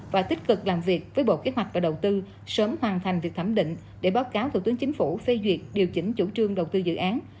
và tích cực làm việc với bộ kế hoạch và đầu tư sớm hoàn thành việc thẩm định để báo cáo thủ tướng chính phủ phê duyệt điều chỉnh chủ trương đầu tư dự án